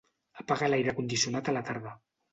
Apaga l'aire condicionat a la tarda.